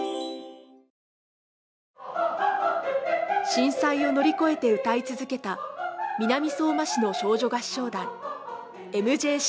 震災を乗り越えて歌い続けた南相馬市の少女合唱団ＭＪＣ